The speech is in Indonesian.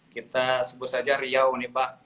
kita sebut saja riau nih pak